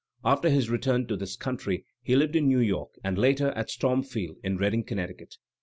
After his return to this coimtry he lived in New York and later at "Stormfield" in Redding, Connecticut.